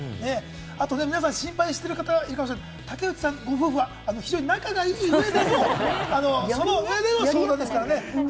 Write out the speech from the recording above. あと皆さん、心配してる方いるかもしれませんが、竹内さんご夫婦は非常に仲がいい上でのその上でのね、ことですからね。